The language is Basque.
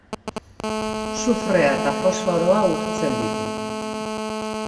Sufrea eta fosforoa urtzen ditu.